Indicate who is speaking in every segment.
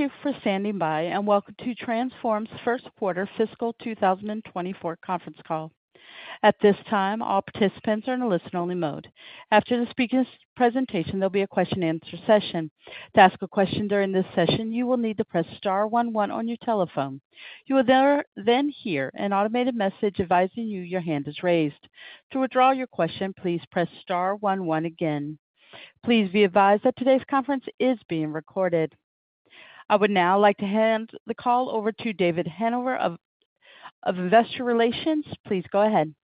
Speaker 1: Thank you for standing by, welcome to Transphorm's first quarter fiscal 2024 conference call. At this time, all participants are in a listen-only mode. After the speaker's presentation, there'll be a question and answer session. To ask a question during this session, you will need to press star one one on your telephone. You will then hear an automated message advising you your hand is raised. To withdraw your question, please press star one one again. Please be advised that today's conference is being recorded. I would now like to hand the call over to David Hanover of Investor Relations. Please go ahead.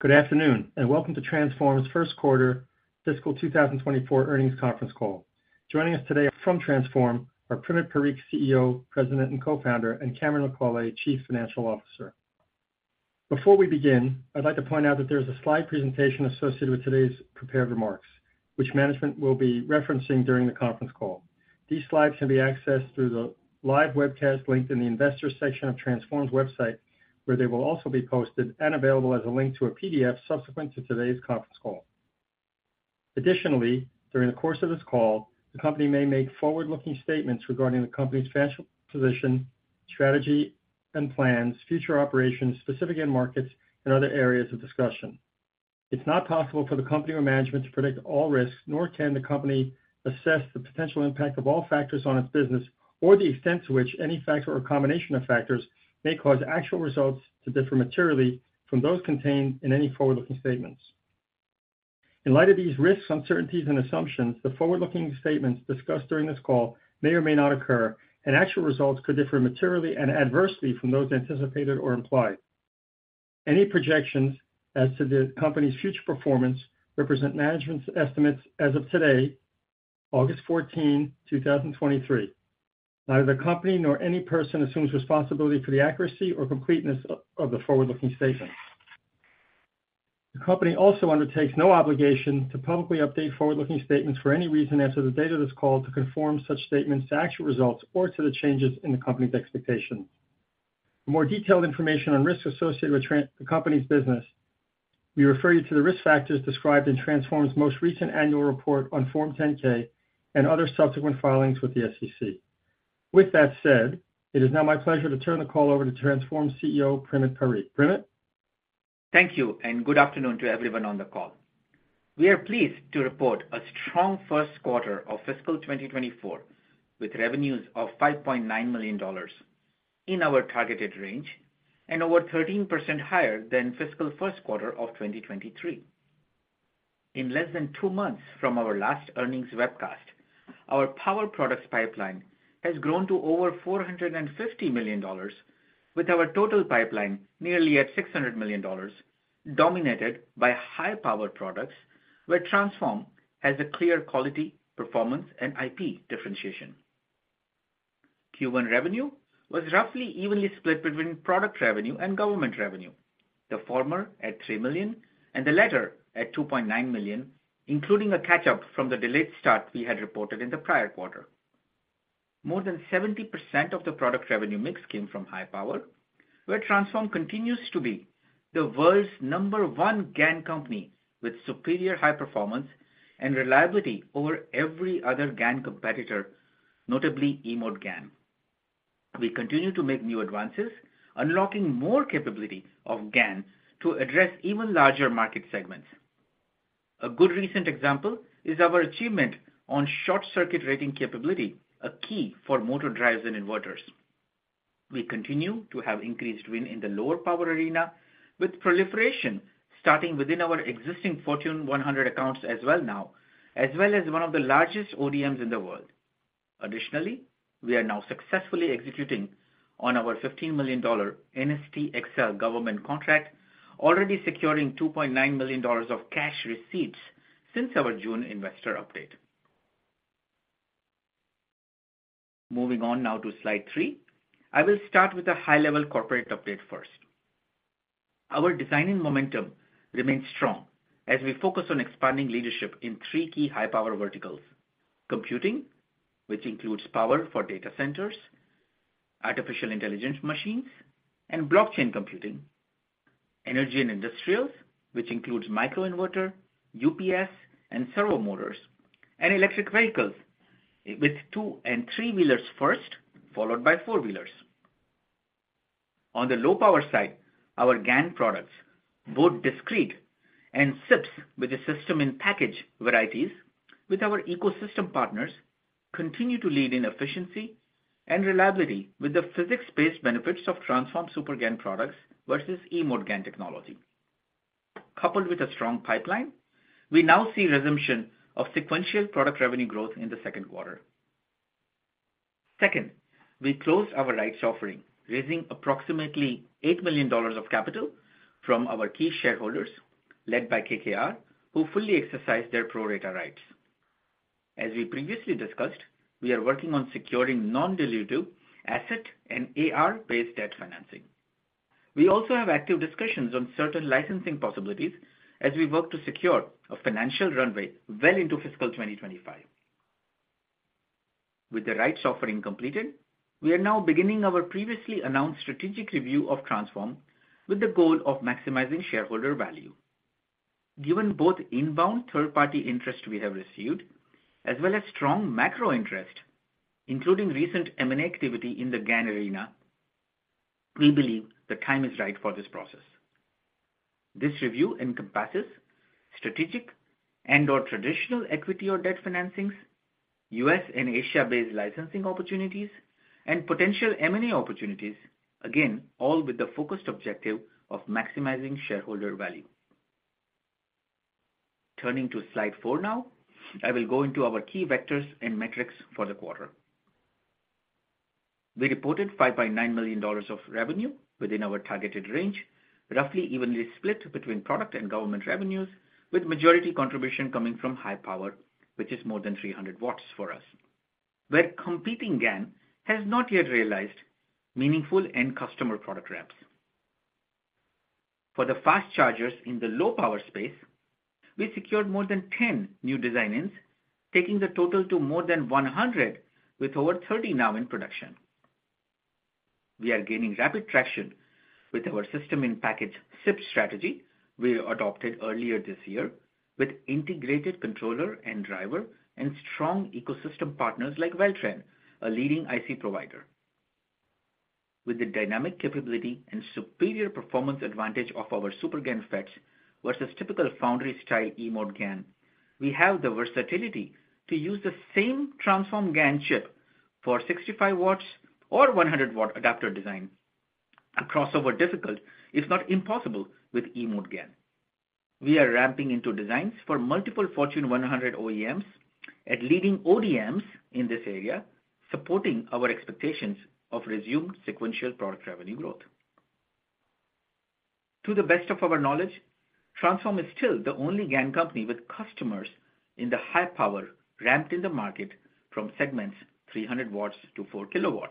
Speaker 2: Good afternoon. Welcome to Transphorm's first quarter fiscal 2024 earnings conference call. Joining us today from Transphorm are Primit Parikh, CEO, President, and Co-founder, and Cameron McAulay, Chief Financial Officer. Before we begin, I'd like to point out that there's a slide presentation associated with today's prepared remarks, which management will be referencing during the conference call. These slides can be accessed through the live webcast link in the Investors section of Transphorm's website, where they will also be posted and available as a link to a PDF subsequent to today's conference call. Additionally, during the course of this call, the company may make forward-looking statements regarding the company's financial position, strategy and plans, future operations, specific end markets, and other areas of discussion. It's not possible for the company or management to predict all risks, nor can the company assess the potential impact of all factors on its business or the extent to which any factor or combination of factors may cause actual results to differ materially from those contained in any forward-looking statements. In light of these risks, uncertainties, and assumptions, the forward-looking statements discussed during this call may or may not occur, and actual results could differ materially and adversely from those anticipated or implied. Any projections as to the company's future performance represent management's estimates as of today, August 14, 2023. Neither the company nor any person assumes responsibility for the accuracy or completeness of the forward-looking statements. The company also undertakes no obligation to publicly update forward-looking statements for any reason after the date of this call to conform such statements to actual results or to the changes in the company's expectations. For more detailed information on risks associated with the company's business, we refer you to the risk factors described in Transphorm's most recent annual report on Form 10-K and other subsequent filings with the SEC. That said, it is now my pleasure to turn the call over to Transphorm's CEO, Primit Parikh. Primit?
Speaker 3: Thank you, good afternoon to everyone on the call. We are pleased to report a strong first quarter of fiscal 2024, with revenues of $5.9 million in our targeted range and over 13% higher than fiscal first quarter of 2023. In less than two months from our last earnings webcast, our power products pipeline has grown to over $450 million, with our total pipeline nearly at $600 million, dominated by high-power products, where Transphorm has a clear quality, performance, and IP differentiation. Q1 revenue was roughly evenly split between product revenue and government revenue, the former at $3 million and the latter at $2.9 million, including a catch-up from the delayed start we had reported in the prior quarter. More than 70% of the product revenue mix came from high power, where Transphorm continues to be the world's number one GaN company, with superior high performance and reliability over every other GaN competitor, notably e-mode GaN. We continue to make new advances, unlocking more capability of GaN to address even larger market segments. A good recent example is our achievement on short circuit rating capability, a key for motor drives and inverters. We continue to have increased win in the lower power arena, with proliferation starting within our existing Fortune 100 accounts as well now, as well as one of the largest ODMs in the world. We are now successfully executing on our $15 million NSTXL government contract, already securing $2.9 million of cash receipts since our June investor update. Moving on now to slide three. I will start with a high-level corporate update first. Our designing momentum remains strong as we focus on expanding leadership in three key high-power verticals: computing, which includes power for data centers, artificial intelligence machines, and blockchain computing; energy and industrials, which includes microinverter, UPS, and servo motors; and electric vehicles, with two and three-wheelers first, followed by four-wheelers. On the low power side, our GaN products, both discrete and SiPs, with the system-in-package varieties with our ecosystem partners, continue to lead in efficiency and reliability with the physics-based benefits of Transphorm SuperGaN products versus e-mode GaN technology. Coupled with a strong pipeline, we now see resumption of sequential product revenue growth in the second quarter. Second, we closed our rights offering, raising approximately $8 million of capital from our key shareholders, led by KKR, who fully exercised their pro rata rights. As we previously discussed, we are working on securing non-dilutive asset and AR-based debt financing. We also have active discussions on certain licensing possibilities as we work to secure a financial runway well into fiscal 2025. With the right offering completed, we are now beginning our previously announced strategic review of Transphorm, with the goal of maximizing shareholder value. Given both inbound third-party interest we have received, as well as strong macro interest, including recent M&A activity in the GaN arena, we believe the time is right for this process. This review encompasses strategic and/or traditional equity or debt financings, U.S. and Asia-based licensing opportunities, and potential M&A opportunities. All with the focused objective of maximizing shareholder value. Turning to slide 4 now, I will go into our key vectors and metrics for the quarter. We reported $5.9 million of revenue within our targeted range, roughly evenly split between product and government revenues, with majority contribution coming from high power, which is more than 300 watts for us. Where competing GaN has not yet realized meaningful end customer product ramps. For the fast chargers in the low-power space, we secured more than 10 new design wins, taking the total to more than 100, with over 30 now in production. We are gaining rapid traction with our system-in-package, SIP strategy we adopted earlier this year, with integrated controller and driver and strong ecosystem partners like Weltrend, a leading IC provider. With the dynamic capability and superior performance advantage of our SuperGaN FET versus typical foundry-style e-mode GaN, we have the versatility to use the same Transphorm GaN chip for 65 watts or 100 watt adapter design. A crossover difficult, if not impossible, with e-mode GaN. We are ramping into designs for multiple Fortune 100 OEMs and leading ODMs in this area, supporting our expectations of resumed sequential product revenue growth. To the best of our knowledge, Transphorm is still the only GaN company with customers in the high power ramped in the market from segments 300 W to 4 kW.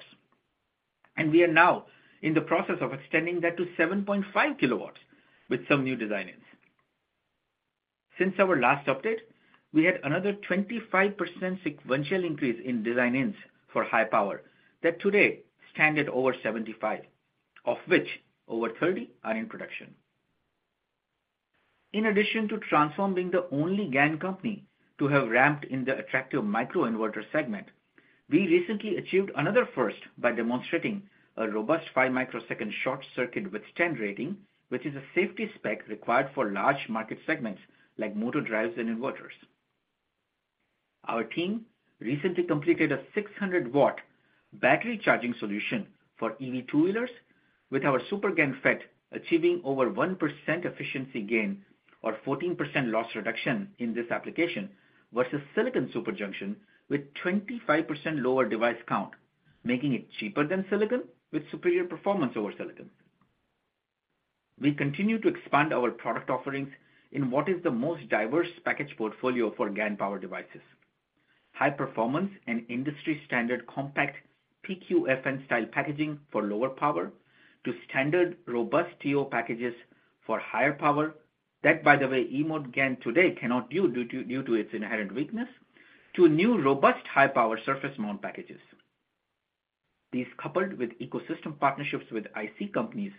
Speaker 3: We are now in the process of extending that to 7.5 kW with some new designs. Since our last update, we had another 25% sequential increase in design wins for high power, that today stand at over 75, of which over 30 are in production. In addition to Transphorm being the only GaN company to have ramped in the attractive microinverter segment, we recently achieved another first by demonstrating a robust five microsecond short circuit withstand rating, which is a safety spec required for large market segments like motor drives and inverters. Our team recently completed a 600 W battery charging solution for EV two-wheelers, with our SuperGaN FET achieving over 1% efficiency gain or 14% loss reduction in this application, versus silicon Superjunction, with 25% lower device count, making it cheaper than silicon, with superior performance over silicon. We continue to expand our product offerings in what is the most diverse package portfolio for GaN power devices. High performance and industry-standard, compact PQFN style packaging for lower power, to standard, robust TO packages for higher power. That, by the way, e-mode GaN today cannot do due to its inherent weakness, to new, robust, high-power surface mount packages. These, coupled with ecosystem partnerships with IC companies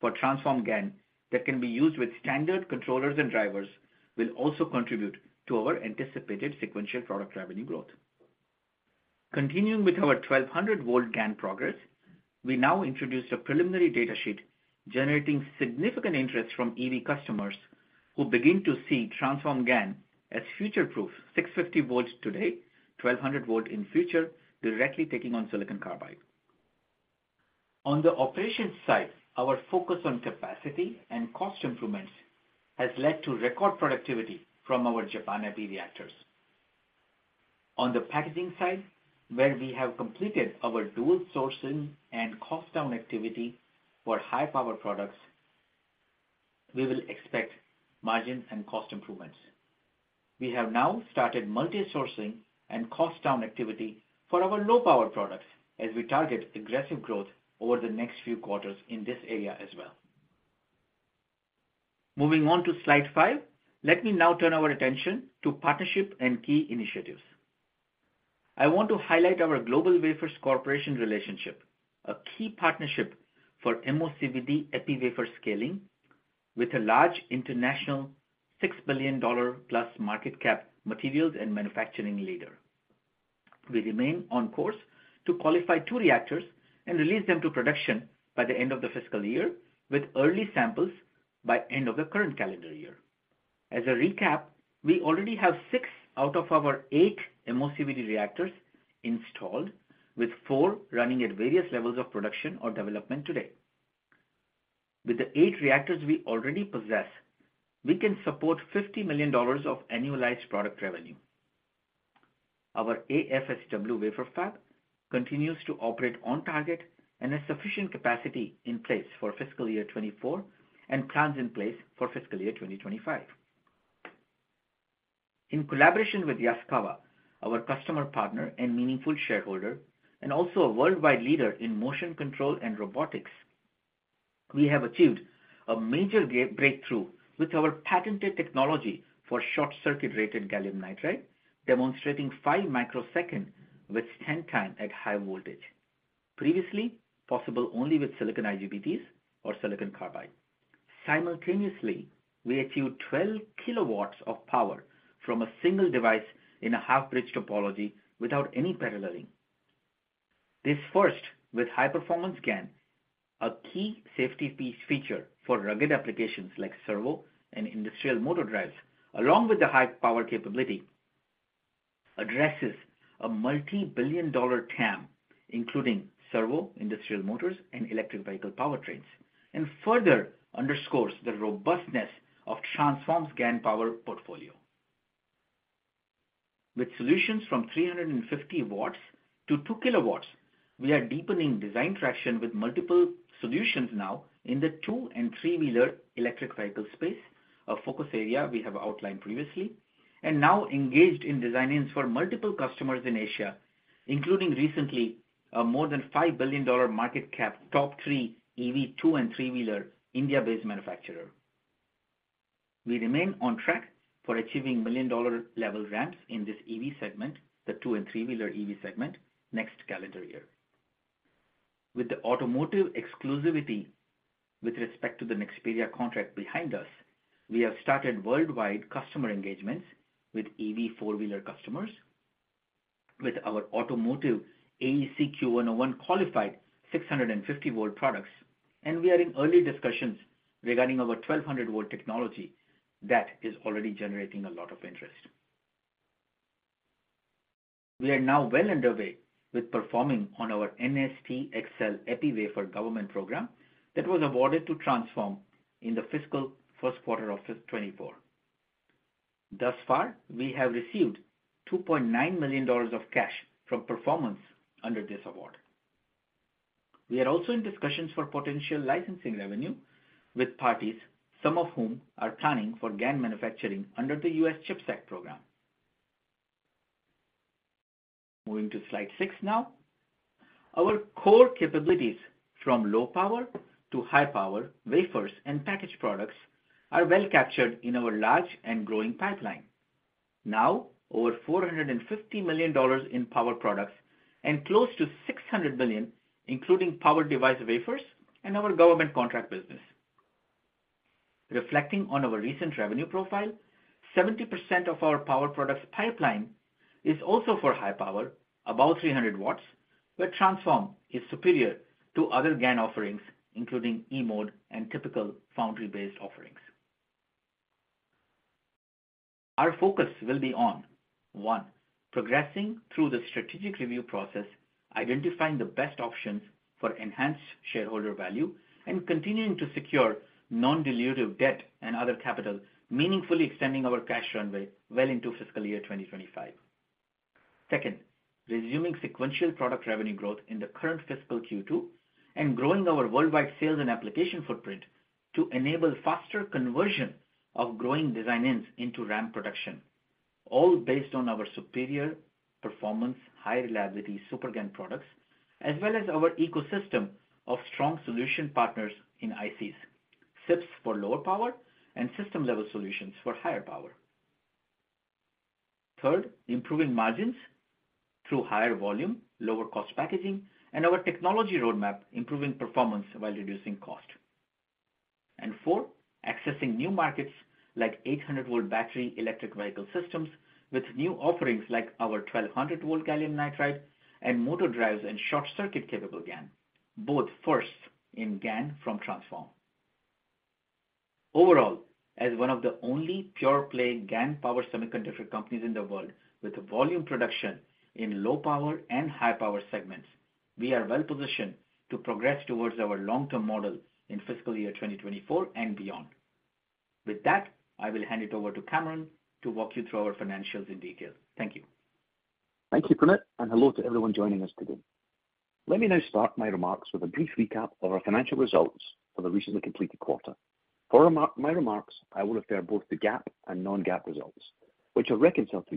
Speaker 3: for Transphorm GaN, that can be used with standard controllers and drivers, will also contribute to our anticipated sequential product revenue growth. Continuing with our 1,200 volt GaN progress, we now introduce a preliminary data sheet generating significant interest from EV customers who begin to see Transphorm GaN as future-proof, 650 volts today, 1,200 volt in future, directly taking on silicon carbide. On the operations side, our focus on capacity and cost improvements has led to record productivity from our Japan epi reactors. On the packaging side, where we have completed our dual sourcing and cost-down activity for high-power products, we will expect margin and cost improvements. We have now started multi-sourcing and cost-down activity for our low-power products, as we target aggressive growth over the next few quarters in this area as well. Moving on to slide five, let me now turn our attention to partnership and key initiatives. I want to highlight our GlobalWafers Co. relationship, a key partnership for MOCVD epi wafer scaling with a large international $6 billion+ market cap, materials, and manufacturing leader. We remain on course to qualify two reactors and release them to production by the end of the fiscal year, with early samples by end of the current calendar year. As a recap, we already have six out of our eight MOCVD reactors installed, with four running at various levels of production or development today. With the eight reactors we already possess, we can support $50 million of annualized product revenue. Our AFSW wafer fab continues to operate on target and has sufficient capacity in place for fiscal year 2024, and plans in place for fiscal year 2025. In collaboration with Yaskawa, our customer partner and meaningful shareholder, and also a worldwide leader in motion control and robotics. We have achieved a major breakthrough with our patented technology for short circuit rated gallium nitride, demonstrating five microsecond with 10 times at high voltage. Previously, possible only with silicon IGBTs or silicon carbide. Simultaneously, we achieved 12 kW of power from a single device in a half-bridge topology without any paralleling. This first, with high-performance GaN, a key safety piece feature for rugged applications like servo and industrial motor drives, along with the high power capability, addresses a multi-billion dollar TAM, including servo, industrial motors, and electric vehicle powertrains, and further underscores the robustness of Transphorm's GaN power portfolio. With solutions from 350 W to 2 kW we are deepening design traction with multiple solutions now in the two- and three-wheeler electric vehicle space, a focus area we have outlined previously. Now engaged in design-ins for multiple customers in Asia, including recently, a more than $5 billion market cap, top three EV, two- and three-wheeler India-based manufacturer. We remain on track for achieving million-dollar level ramps in this EV segment, the two- and three-wheeler EV segment, next calendar year. With the automotive exclusivity with respect to the Nexperia contract behind us, we have started worldwide customer engagements with EV four-wheeler customers, with our automotive AEC-Q101 qualified 650 volt products. We are in early discussions regarding our 1,200 volt technology that is already generating a lot of interest. We are now well underway with performing on our NSTXL epi wafer government program that was awarded to Transphorm in the fiscal first quarter of 2024. Thus far, we have received $2.9 million of cash from performance under this award. We are also in discussions for potential licensing revenue with parties, some of whom are planning for GaN manufacturing under the U.S. CHIPS Act program. Moving to slide six now. Our core capabilities from low power to high power, wafers and packaged products, are well captured in our large and growing pipeline. Over $450 million in power products and close to $600 million, including power device wafers and our government contract business. Reflecting on our recent revenue profile, 70% of our power products pipeline is also for high power, above 300 watts, where Transphorm is superior to other GaN offerings, including E-mode and typical foundry-based offerings. Our focus will be on, one, progressing through the strategic review process, identifying the best options for enhanced shareholder value, and continuing to secure non-dilutive debt and other capital, meaningfully extending our cash runway well into fiscal year 2025. Second, resuming sequential product revenue growth in the current fiscal Q2, and growing our worldwide sales and application footprint to enable faster conversion of growing design-ins into ramp production, all based on our superior performance, high reliability, SuperGaN products, as well as our ecosystem of strong solution partners in ICs, SiPs for lower power, and system-level solutions for higher power. Third, improving margins through higher volume, lower cost packaging, and our technology roadmap, improving performance while reducing cost. Four, accessing new markets like 800 volt battery electric vehicle systems with new offerings like our 1,200 volt gallium nitride and motor drives and short circuit-capable GaN, both first in GaN from Transphorm. Overall, as one of the only pure-play GaN power semiconductor companies in the world, with volume production in low power and high power segments, we are well positioned to progress towards our long-term model in fiscal year 2024 and beyond. With that, I will hand it over to Cameron to walk you through our financials in detail. Thank you.
Speaker 4: Thank you, Primit, and hello to everyone joining us today. Let me now start my remarks with a brief recap of our financial results for the recently completed quarter. For my remarks, I will refer both the GAAP and non-GAAP results, which are reconciled to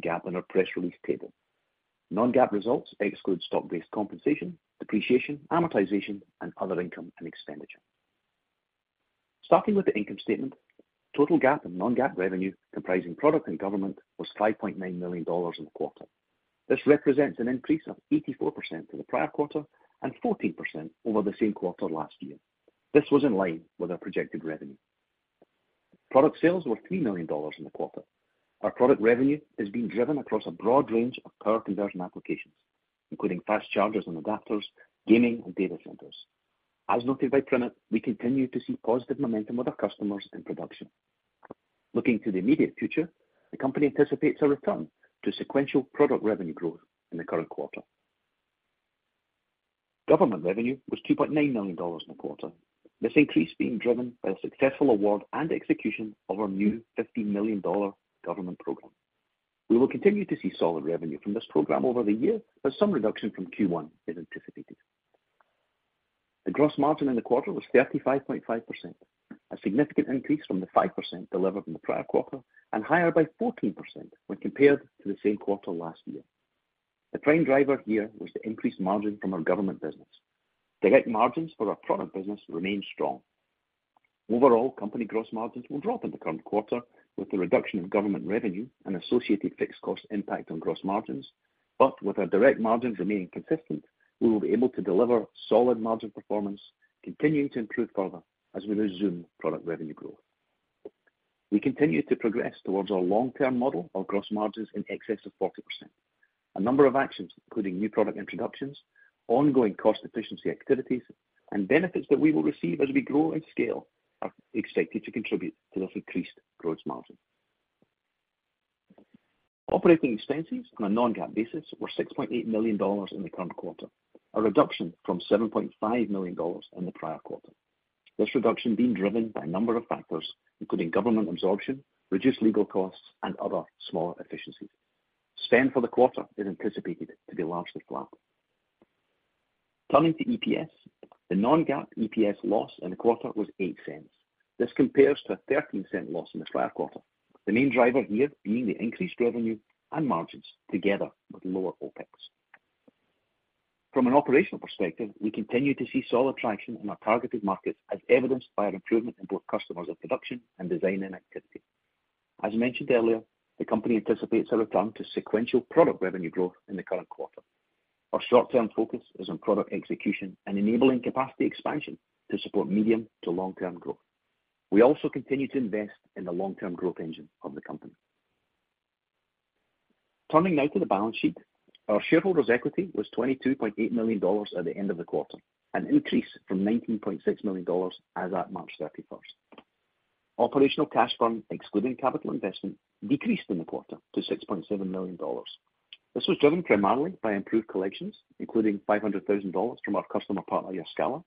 Speaker 4: GAAP in our press release table. Non-GAAP results exclude stock-based compensation, depreciation, amortization, and other income and expenditure. Starting with the income statement, total GAAP and non-GAAP revenue, comprising product and government, was $5.9 million in the quarter. This represents an increase of 84% to the prior quarter and 14% over the same quarter last year. This was in line with our projected revenue. Product sales were $3 million in the quarter. Our product revenue is being driven across a broad range of power conversion applications, including fast chargers and adapters, gaming, and data centers. As noted by Primit, we continue to see positive momentum with our customers in production. Looking to the immediate future, the company anticipates a return to sequential product revenue growth in the current quarter. Government revenue was $2.9 million in the quarter. This increase being driven by the successful award and execution of our new $50 million government program. We will continue to see solid revenue from this program over the year, but some reduction from Q1 is anticipated. The gross margin in the quarter was 35.5%, a significant increase from the 5% delivered in the prior quarter, and higher by 14% when compared to the same quarter last year. The prime driver here was the increased margin from our government business. Direct margins for our product business remain strong. Overall, company gross margins will drop in the current quarter with the reduction in government revenue and associated fixed cost impact on gross margins, but with our direct margins remaining consistent, we will be able to deliver solid margin performance, continuing to improve further as we resume product revenue growth. We continue to progress towards our long-term model of gross margins in excess of 40%. A number of actions, including new product introductions, ongoing cost efficiency activities, and benefits that we will receive as we grow and scale, are expected to contribute to this increased gross margin. Operating expenses on a non-GAAP basis were $6.8 million in the current quarter, a reduction from $7.5 million in the prior quarter. This reduction being driven by a number of factors, including government absorption, reduced legal costs, and other smaller efficiencies. Spend for the quarter is anticipated to be largely flat. Turning to EPS, the non-GAAP EPS loss in the quarter was $0.08. This compares to a $0.13 loss in the prior quarter. The main driver here being the increased revenue and margins together with lower OpEx. From an operational perspective, we continue to see solid traction in our targeted markets, as evidenced by an improvement in both customers of production and design activity. As mentioned earlier, the company anticipates a return to sequential product revenue growth in the current quarter. Our short-term focus is on product execution and enabling capacity expansion to support medium to long-term growth. We also continue to invest in the long-term growth engine of the company. Turning now to the balance sheet. Our shareholders' equity was $22.8 million at the end of the quarter, an increase from $19.6 million as at March 31st. Operational cash burn, excluding capital investment, decreased in the quarter to $6.7 million. This was driven primarily by improved collections, including $500,000 from our customer partner, Yaskawa.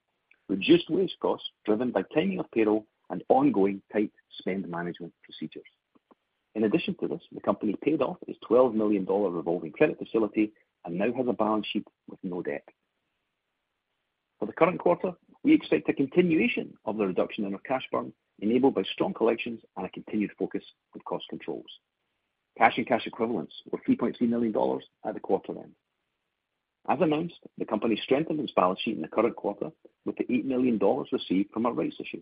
Speaker 4: Reduced wage costs, driven by timing of payroll and ongoing tight spend management procedures. In addition to this, the company paid off its $12 million revolving credit facility and now has a balance sheet with no debt. For the current quarter, we expect a continuation of the reduction in our cash burn, enabled by strong collections and a continued focus on cost controls. Cash and cash equivalents were $3.3 million at the quarter end. As announced, the company strengthened its balance sheet in the current quarter with the $8 million received from our raise issue.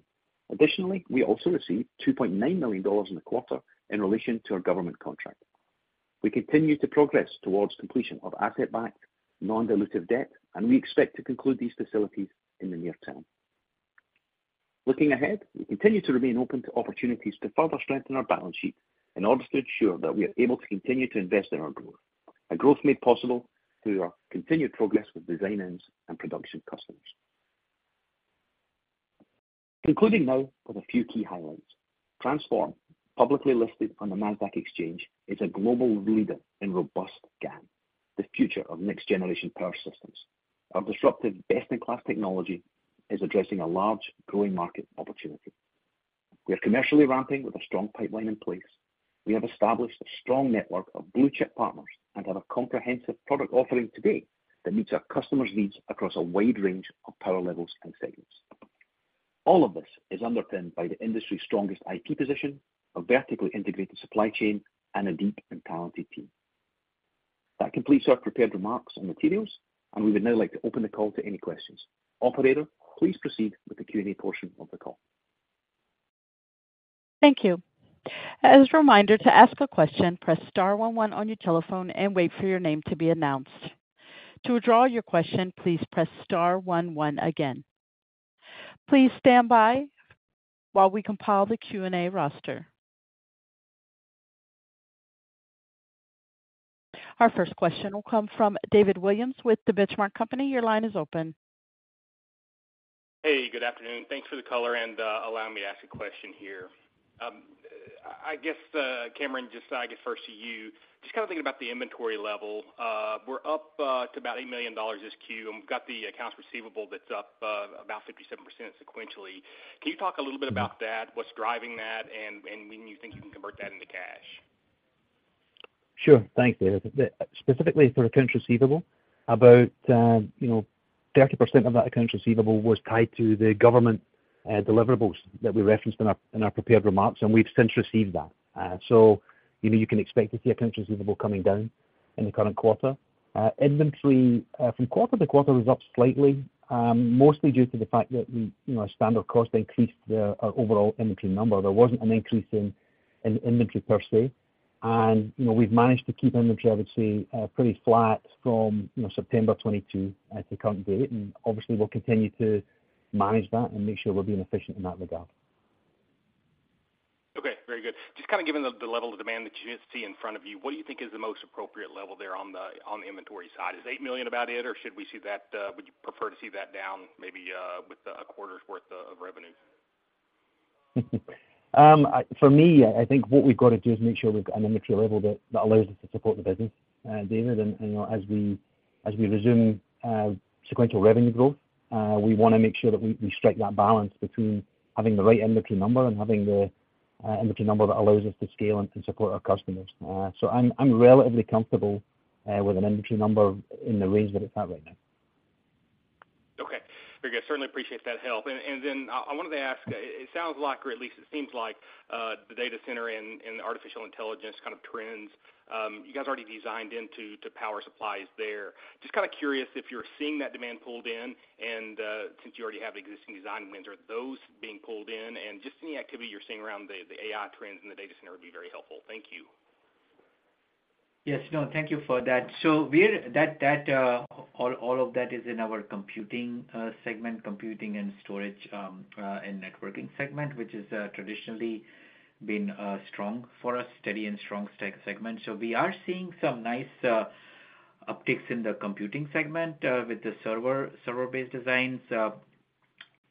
Speaker 4: We also received $2.9 million in the quarter in relation to our government contract. We continue to progress towards completion of asset-backed, non-dilutive debt, and we expect to conclude these facilities in the near term. Looking ahead, we continue to remain open to opportunities to further strengthen our balance sheet in order to ensure that we are able to continue to invest in our growth. A growth made possible through our continued progress with design ends and production customers. Concluding now with a few key highlights. Transphorm, publicly listed on the Nasdaq Exchange, is a global leader in robust GaN, the future of next-generation power systems. Our disruptive, best-in-class technology is addressing a large, growing market opportunity. We are commercially ramping with a strong pipeline in place. We have established a strong network of blue chip partners and have a comprehensive product offering today that meets our customers' needs across a wide range of power levels and segments. All of this is underpinned by the industry's strongest IP position, a vertically integrated supply chain, and a deep and talented team. That completes our prepared remarks and materials, and we would now like to open the call to any questions. Operator, please proceed with the Q&A portion of the call.
Speaker 1: Thank you. As a reminder, to ask a question, press star one one on your telephone and wait for your name to be announced. To withdraw your question, please press star one one again. Please stand by while we compile the Q&A roster. Our first question will come from David Williams with The Benchmark Company. Your line is open.
Speaker 5: Hey, good afternoon. Thanks for the color and allowing me to ask a question here. I, I guess, Cameron McAulay, just so I get first to you, just kind of thinking about the inventory level. We're up to about $8 million this Q, and we've got the accounts receivable that's up about 57% sequentially. Can you talk a little bit about that, what's driving that, and when you think you can convert that into cash?
Speaker 4: Sure. Thanks, David. Specifically for accounts receivable, about, you know, 30% of that accounts receivable was tied to the government deliverables that we referenced in our, in our prepared remarks. We've since received that. You know, you can expect to see accounts receivable coming down in the current quarter. Inventory, from quarter-to-quarter was up slightly, mostly due to the fact that we, you know, our standard cost increased the, our overall inventory number. There wasn't an increase in, in inventory per se. You know, we've managed to keep inventory, I would say, pretty flat from, you know, September 2022 at the current date. Obviously we'll continue to manage that and make sure we're being efficient in that regard.
Speaker 5: Okay, very good. Just kind of given the level of demand that you see in front of you, what do you think is the most appropriate level there on the inventory side? Is $8 million about it, or should we see that? Would you prefer to see that down maybe with a quarter's worth of revenue?
Speaker 4: I-- for me, I think what we've got to do is make sure we've got an inventory level that, that allows us to support the business, David. You know, as we, as we resume, sequential revenue growth, we wanna make sure that we, we strike that balance between having the right inventory number and having the inventory number that allows us to scale and, and support our customers. So I'm, I'm relatively comfortable, with an inventory number in the range that it's at right now. ...
Speaker 5: I certainly appreciate that help. Then I, I wanted to ask, it sounds like, or at least it seems like, the data center and, and the artificial intelligence kind of trends, you guys already designed into to power supplies there. Just kind of curious if you're seeing that demand pulled in, and, since you already have existing design wins, are those being pulled in? Just any activity you're seeing around the, the AI trends in the data center would be very helpful. Thank you.
Speaker 3: Yes. No, thank you for that. We're. That, that, all, all of that is in our computing segment, computing and storage, and networking segment, which is traditionally been strong for us, steady and strong seg-segment. We are seeing some nice upticks in the computing segment with the server, server-based designs.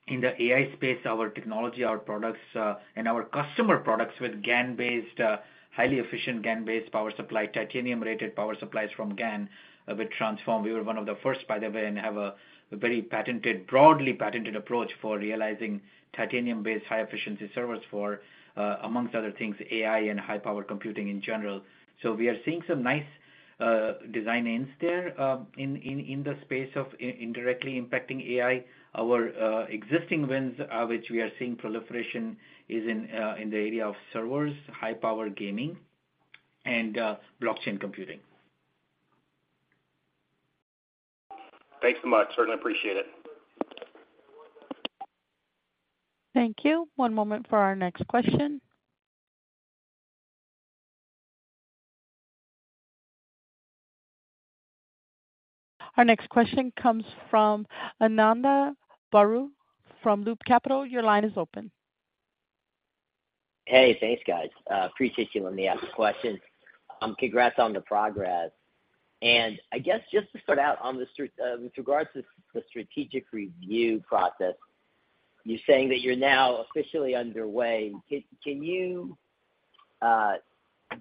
Speaker 3: In the A.I. space, our technology, our products, and our customer products with GaN-based, highly efficient GaN-based power supply, titanium-rated power supplies from GaN with Transphorm. We were one of the first, by the way, and have a, a very patented, broadly patented approach for realizing titanium-based, high-efficiency servers for, amongst other things, A.I. and high-power computing in general. We are seeing some nice design ins there, in, in, in the space of in- indirectly impacting A.I. Our existing wins, which we are seeing proliferation, is in the area of servers, high-power gaming, and blockchain computing.
Speaker 5: Thanks so much. Certainly appreciate it.
Speaker 1: Thank you. One moment for our next question. Our next question comes from Ananda Baruah from Loop Capital. Your line is open.
Speaker 6: Hey, thanks, guys. Appreciate you letting me ask the question. Congrats on the progress. I guess just to start out, on the with regards to the strategic review process, you're saying that you're now officially underway. Can, can you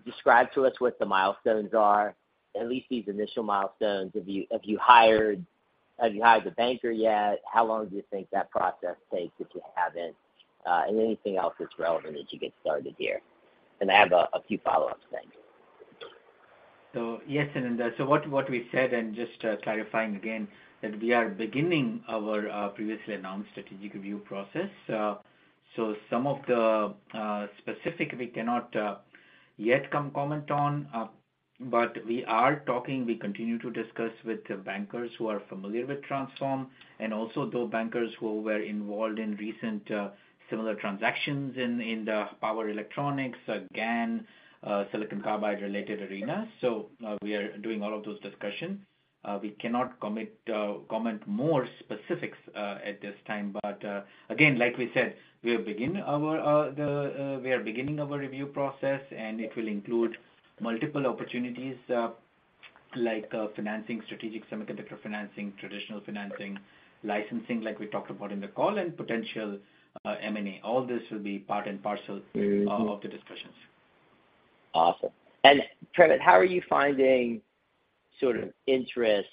Speaker 6: describe to us what the milestones are, at least these initial milestones? Have you, have you hired, have you hired the banker yet? How long do you think that process takes, if you haven't? Anything else that's relevant as you get started here. I have a, a few follow-ups. Thank you.
Speaker 3: Yes, Ananda, what, what we said, and just clarifying again, that we are beginning our previously announced strategic review process. Some of the specific we cannot yet comment on, but we are talking, we continue to discuss with the bankers who are familiar with Transphorm, and also those bankers who were involved in recent similar transactions in, in the power electronics, GaN, silicon carbide-related arena. We are doing all of those discussions. We cannot commit, comment more specifics at this time, but again, like we said, we are beginning our review process, and it will include multiple opportunities, like financing, strategic semiconductor financing, traditional financing, licensing, like we talked about in the call, and potential M&A. All this will be part and parcel of, of the discussions.
Speaker 6: Awesome. Primit, how are you finding sort of interest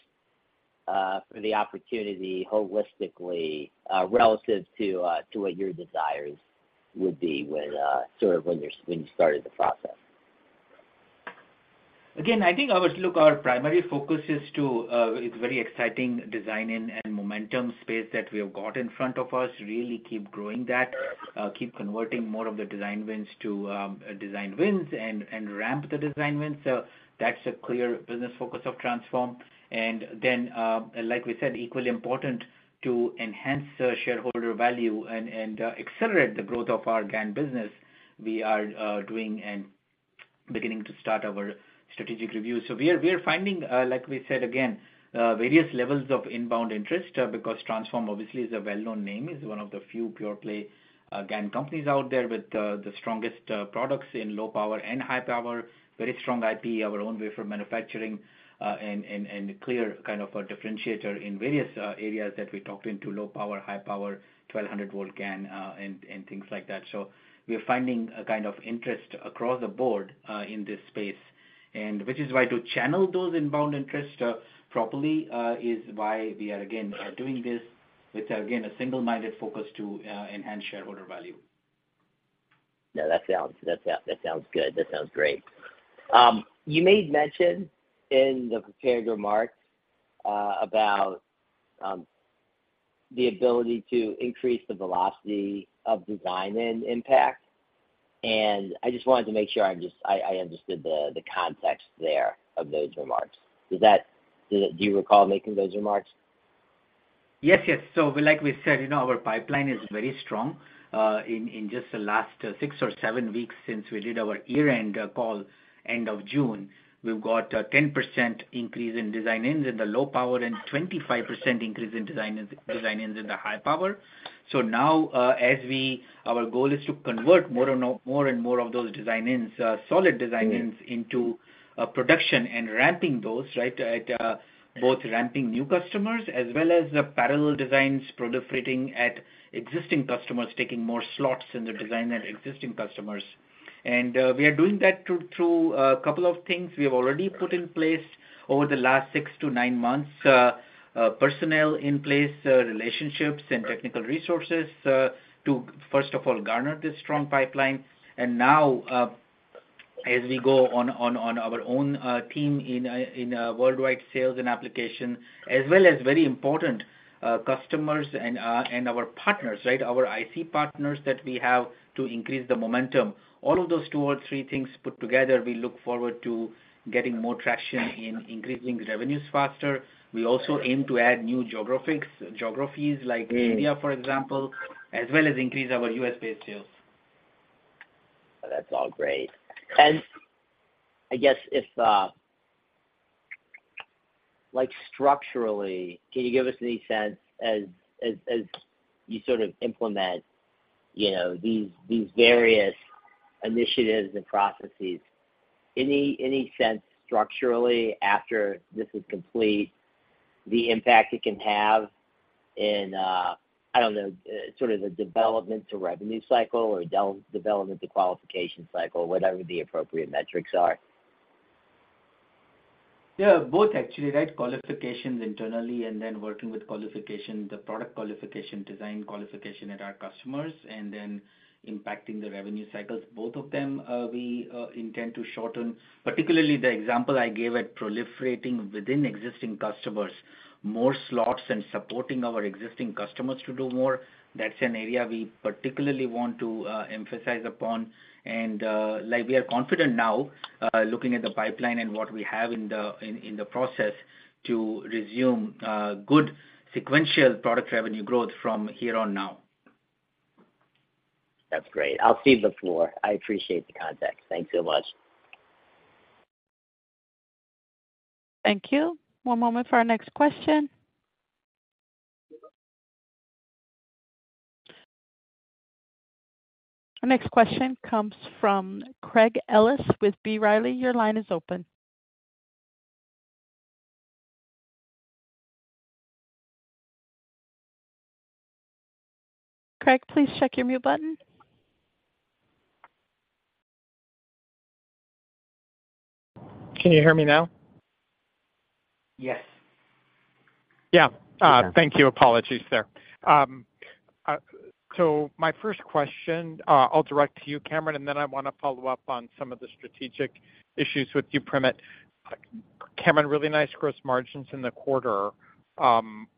Speaker 6: for the opportunity holistically relative to to what your desires would be when sort of when you're, when you started the process?
Speaker 3: Again, I think our... Look, our primary focus is to, it's very exciting design and momentum space that we have got in front of us, really keep growing that, keep converting more of the design wins to design wins and ramp the design wins. That's a clear business focus of Transphorm. Then, like we said, equally important to enhance the shareholder value and accelerate the growth of our GaN business, we are doing and beginning to start our strategic review. We are, we are finding, like we said again, various levels of inbound interest, because Transphorm obviously is a well-known name, is one of the few pure play, GaN companies out there with the, the strongest, products in low power and high power, very strong IP, our own wafer manufacturing, and, and, and clear kind of a differentiator in various, areas that we talked into, low power, high power, 1,200 volt GaN, and, and things like that. We are finding a kind of interest across the board, in this space, and which is why to channel those inbound interest, properly, is why we are again are doing this with, again, a single-minded focus to enhance shareholder value.
Speaker 6: No, that sounds, that sounds good. That sounds great. You made mention in the prepared remarks about the ability to increase the velocity of design and impact, and I just wanted to make sure I understood the context there of those remarks. Does that do you recall making those remarks?
Speaker 3: Yes, yes. Like we said, you know, our pipeline is very strong. In just the last six or seven weeks since we did our year-end call, end of June, we've got a 10% increase in design wins in the low power and 25% increase in design wins in the high power. Now, as our goal is to convert more and more, more and more of those design wins, solid design wins, into production and ramping those, right? At both ramping new customers as well as the parallel designs proliferating at existing customers, taking more slots in the design and existing customers. We are doing that through, through a couple of things. We have already put in place over the last six to nine months, personnel in place, relationships and technical resources, to, first of all, garner this strong pipeline. Now, as we go on our own team in worldwide sales and application, as well as very important customers and our partners, right. Our IC partners that we have to increase the momentum. All of those two or three things put together, we look forward to getting more traction in increasing revenues faster. We also aim to add new geographies, like India, for example, as well as increase our U.S.-based sales.
Speaker 6: That's all great. I guess if, like structurally, can you give us any sense as, as, as you sort of implement, you know, these, these various initiatives and processes, any, any sense structurally after this is complete, the impact it can have in, I don't know, sort of the development to revenue cycle or development to qualification cycle, whatever the appropriate metrics are?
Speaker 3: Yeah, both actually, right? Qualifications internally and then working with qualification, the product qualification, design qualification at our customers, and then impacting the revenue cycles. Both of them, we intend to shorten. Particularly the example I gave at proliferating within existing customers, more slots and supporting our existing customers to do more, that's an area we particularly want to emphasize upon. Like, we are confident now, looking at the pipeline and what we have in the process to resume good sequential product revenue growth from here on now.
Speaker 6: That's great. I'll cede the floor. I appreciate the context. Thanks so much.
Speaker 1: Thank you. One moment for our next question. Our next question comes from Craig Ellis with B. Riley. Your line is open. Craig, please check your mute button.
Speaker 7: Can you hear me now?
Speaker 3: Yes.
Speaker 7: Yeah.
Speaker 3: Okay.
Speaker 7: Thank you. Apologies there. My first question, I'll direct to you, Cameron, and then I wanna follow up on some of the strategic issues with you, Primit. Cameron, really nice gross margins in the quarter,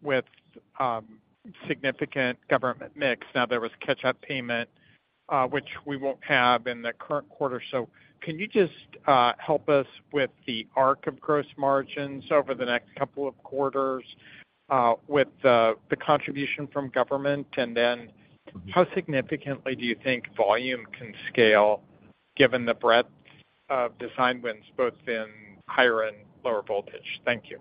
Speaker 7: with significant government mix. There was catch-up payment, which we won't have in the current quarter. Can you just help us with the arc of gross margins over the next couple of quarters, with the contribution from government? How significantly do you think volume can scale given the breadth of design wins, both in higher and lower voltage? Thank you.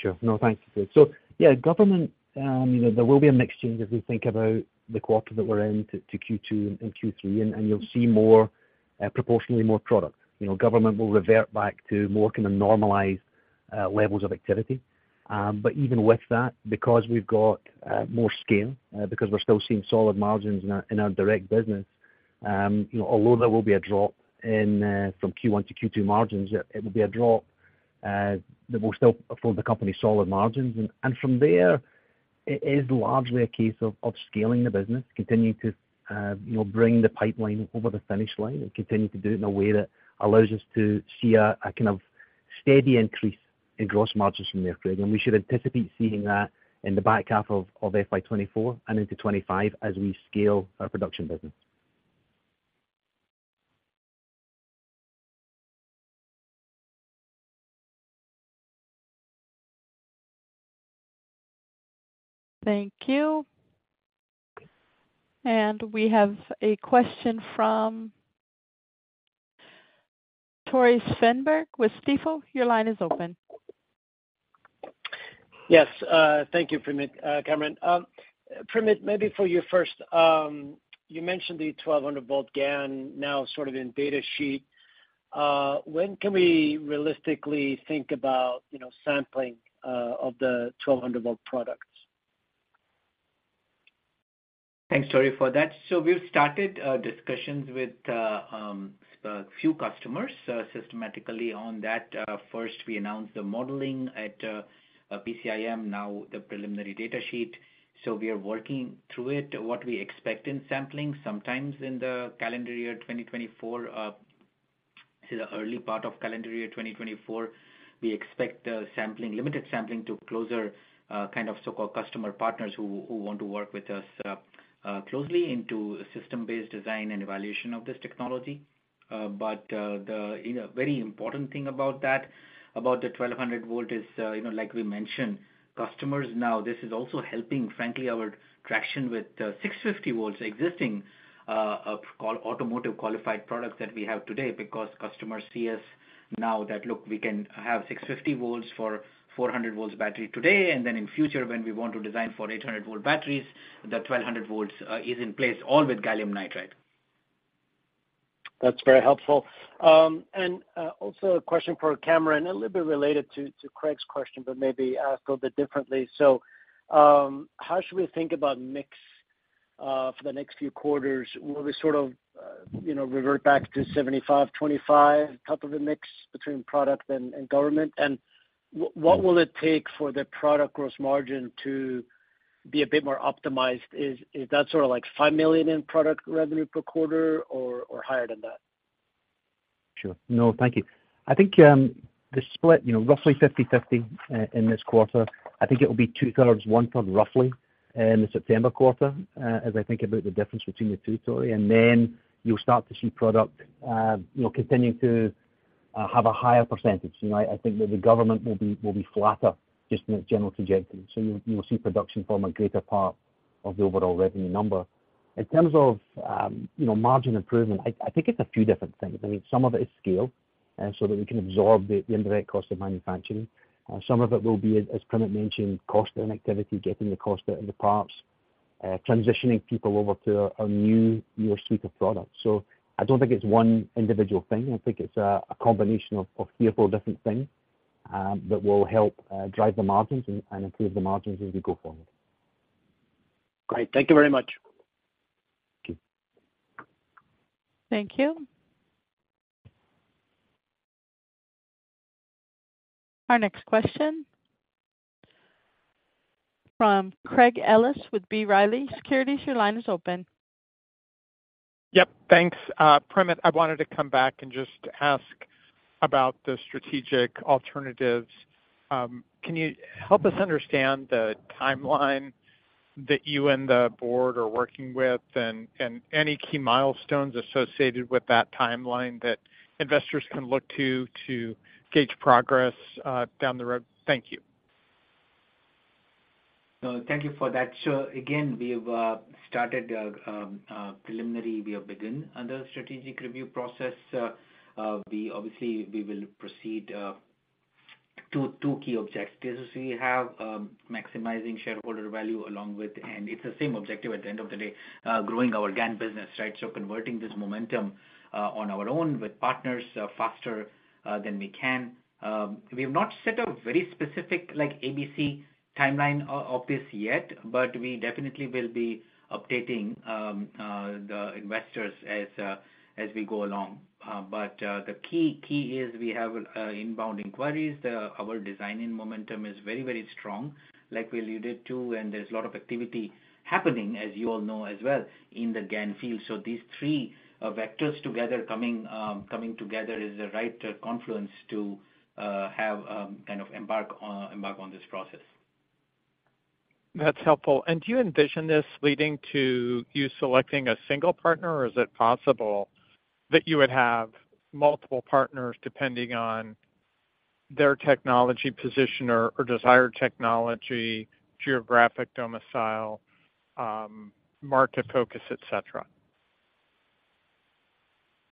Speaker 4: Sure. No, thank you. Yeah, government, you know, there will be a mix change as we think about the quarter that we're in to Q2 and Q3, and you'll see more proportionally more product. You know, government will revert back to more kind of normalized levels of activity. Even with that, because we've got more scale, because we're still seeing solid margins in our, in our direct business, you know, although there will be a drop in from Q1 to Q2 margins, it will be a drop that will still afford the company solid margins. From there, it is largely a case of, of scaling the business, continuing to, you know, bring the pipeline over the finish line and continue to do it in a way that allows us to see a, a kind of steady increase in gross margins from there, Craig. We should anticipate seeing that in the back half of, of FY 2024 and into 2025 as we scale our production business.
Speaker 1: Thank you. We have a question from Tore Svanberg with Stifel. Your line is open.
Speaker 8: Yes, thank you, Primit, Cameron. Primit, maybe for you first. You mentioned the 1,200 volt GaN now sort of in data sheet. When can we realistically think about, you know, sampling, of the 1,200 volt products?
Speaker 3: Thanks, Tore, for that. We've started discussions with a few customers systematically on that. First, we announced the modeling at PCIM, now the preliminary data sheet, so we are working through it. What we expect in sampling, sometimes in the calendar year 2024, to the early part of calendar year 2024, we expect sampling, limited sampling to closer kind of so-called customer partners who want to work with us closely into a system-based design and evaluation of this technology. The, you know, very important thing about that, about the 1,200 volt is, you know, like we mentioned, customers now, this is also helping, frankly, our traction with the 650 volts existing, automotive qualified products that we have today, because customers see us now that, look, we can have 650 volts for 400 volts battery today, and then in future when we want to design for 800 volt batteries, the 1,200 volts, is in place all with gallium nitride.
Speaker 8: That's very helpful. Also a question for Cameron, a little bit related to Craig's question, but maybe asked a little bit differently. How should we think about mix for the next few quarters? Will we sort of, you know, revert back to 75/25 type of a mix between product and government? What will it take for the product gross margin to be a bit more optimized? Is that sort of like $5 million in product revenue per quarter or higher than that?
Speaker 4: Sure. No, thank you. I think, the split, you know, roughly 50/50 in this quarter. I think it will be 2/3, 1/3, roughly, in the September quarter, as I think about the difference between the two, sorry. Then you'll start to see product, you'll continue to have a higher percentage. You know, I, I think that the government will be flatter just in its general trajectory. You, you will see production form a greater part of the overall revenue number. In terms of, you know, margin improvement, I, I think it's a few different things. I mean, some of it is scale, so that we can absorb the indirect cost of manufacturing. Some of it will be, as, as Primit mentioned, cost and activity, getting the cost out in the parts, transitioning people over to a new, newer suite of products. I don't think it's one individual thing. I think it's a, a combination of, of three or four different things that will help drive the margins and, and improve the margins as we go forward.
Speaker 8: Great, thank you very much.
Speaker 4: Thank you.
Speaker 1: Thank you. Our next question from Craig Ellis with B. Riley Securities, your line is open.
Speaker 7: Yep, thanks. Primit Parikh, I wanted to come back and just ask about the strategic alternatives. Can you help us understand the timeline that you and the board are working with, and, and any key milestones associated with that timeline that investors can look to, to gauge progress down the road? Thank you.
Speaker 3: Thank you for that. Again, we have started a preliminary. We have begun on the strategic review process. We obviously we will proceed, two key objectives. We have maximizing shareholder value along with, and it's the same objective at the end of the day, growing our GaN business, right? Converting this momentum on our own with partners faster than we can. We have not set a very specific like ABC timeline of this yet, but we definitely will be updating the investors as we go along. The key is we have inbound inquiries. Our designing momentum is very, very strong, like we alluded to, and there's a lot of activity happening, as you all know as well, in the GaN field. These three vectors together coming, coming together is the right confluence to have kind of embark on, embark on this process.
Speaker 7: That's helpful. Do you envision this leading to you selecting a single partner, or is it possible that you would have multiple partners depending on their technology position or desired technology, geographic domicile, market focus, et cetera?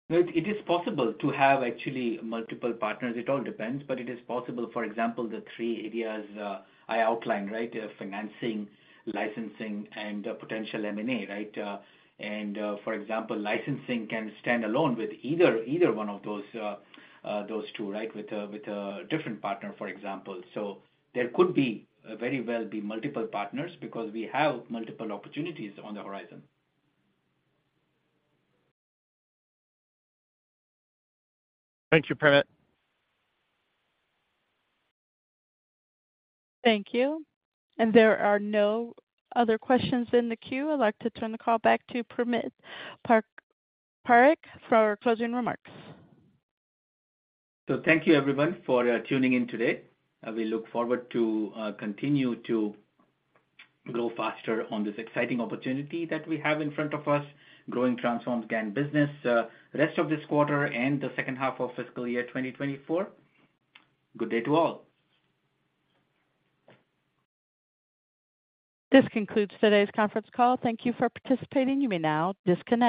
Speaker 3: No, it is possible to have actually multiple partners. It all depends, but it is possible, for example, the three areas I outlined, right? Financing, licensing, and potential M&A, right? For example, licensing can stand alone with either, either one of those, those two, right? With a different partner, for example. So there could very well be multiple partners because we have multiple opportunities on the horizon.
Speaker 7: Thank you, Primit.
Speaker 1: Thank you. There are no other questions in the queue. I'd like to turn the call back to Primit Parikh for our closing remarks.
Speaker 3: Thank you, everyone, for tuning in today. We look forward to continue to grow faster on this exciting opportunity that we have in front of us, growing Transphorm GaN business, rest of this quarter and the second half of fiscal year 2024. Good day to all.
Speaker 1: This concludes today's conference call. Thank you for participating. You may now disconnect.